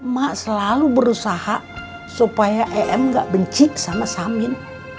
mak selalu berusaha supaya em gak bencik sama samin